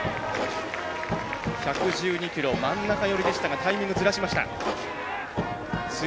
１１２キロ、真ん中寄りでしたがタイミングをずらしました。